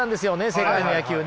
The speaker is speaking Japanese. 世界の野球ね。